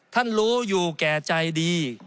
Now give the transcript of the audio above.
ท่านรู้อยู่แก่ใจดี